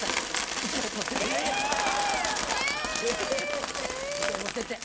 １枚持ってって。